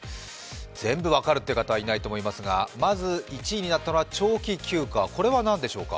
全部分かるという方はいないと思いますが、まず１位になったのは長期休暇、これは何でしょうか。